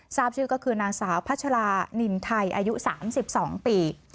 ทราบชื่อก็คือนางสาวพัชรานินไทยอายุ๓๒ปี